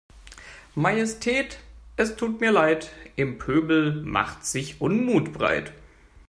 Majestät es tut mir Leid, im Pöbel macht sich Unmut breit.